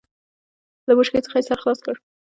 له بوشکې څخه يې سر خلاص کړ.